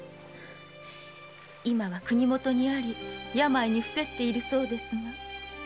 今は国元にあり病にふせっているそうですが。